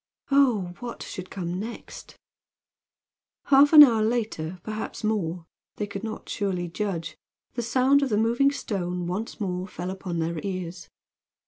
Oh, what should come next? Half an hour later, perhaps more they could not surely judge the sound of the moving stone once more fell upon their ears.